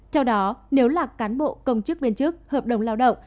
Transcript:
theo đó nếu là cán bộ công chức viên chức hợp đồng lao động